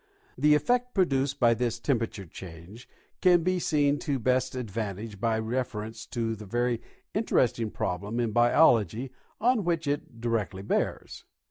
The effect produced by this temperature change can be seen to l^est advantage by refer ence to a very interesting problem in biology on which it directly bears.